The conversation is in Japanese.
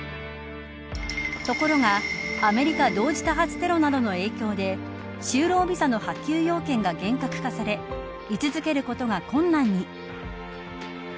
ところが、アメリカ同時多発テロなどの影響で就労ビザの発給用件が厳格化され居続けることが困難に。